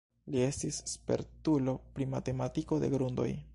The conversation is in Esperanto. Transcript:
Li estis spertulo pri mekaniko de grundoj.